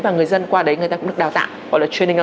và người dân qua đấy người ta cũng được đào tạo